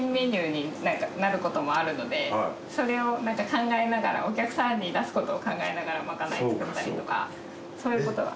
それを考えながらお客さんに出すことを考えながらまかない作ったりとかそういうことは。